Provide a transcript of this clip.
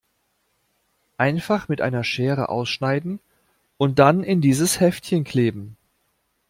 Einfach mit einer Schere ausschneiden und dann in dieses Heftchen kleben.